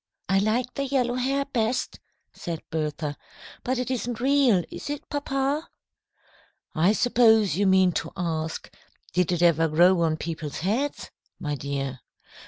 "I like the yellow hair best," said Bertha. "But it isn't real, is it, papa?" "I suppose you mean to ask, 'Did it ever grow on people's heads?' my dear.